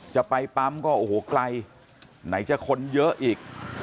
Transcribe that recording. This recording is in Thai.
จะไปปั๊มก็โอ้โหไกลไหนจะคนเยอะอีก